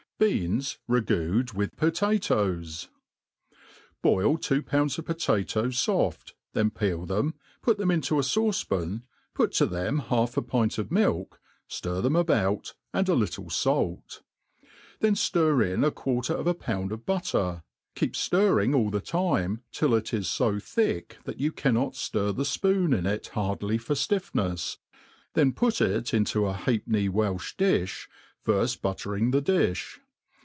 Beans ragooedwitb Potatoes • BOIL two pounds of potatoes Toft, then peel them, put them into a fauce pan, put to them half a pint of milk, fiir them about, and a little fait ; then ftir in a quarter of a pound of butter, keep fiirring all the time till it is fo thick that you cannot ftir the fpoon in it hardly for ftifFnefs, then put it into a halfpenny Welch djib, firft buttering the diih.